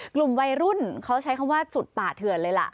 กลุ่มวัยรุ่นเขาใช้คำว่าสุดป่าเถื่อนเลยล่ะ